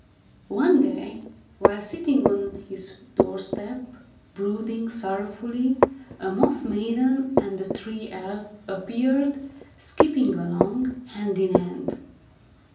One day, while sitting on his door step, brooding sorrowfully, a Moss Maiden and a Tree Elf appeared, skipping along, hand in hand.